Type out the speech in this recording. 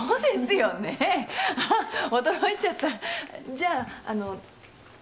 じゃああの誰を？